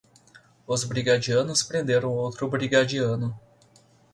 Os brigadianos prenderam outro brigadiano